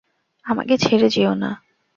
আমাকে ছেড়ে যেও না!